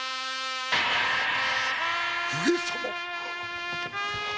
上様‼